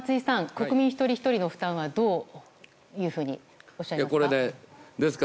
国民一人ひとりの負担はどういうふうにおっしゃいますか？